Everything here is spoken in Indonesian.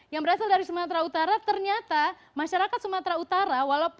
yang berasal dari sumatera utara ternyata masyarakat sumatera utara